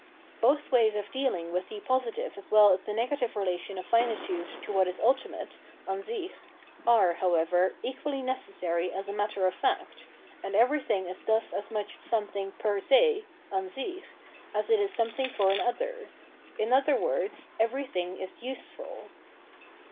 Both ways of deahng with the positive as well as the negative relation of finitnde to what is ultimate {Ansich) are, however, equally necessary as a matter of fact, and everything is thus as much something per se {an sich) as it is something for an other : in other words ^ everything is " useful."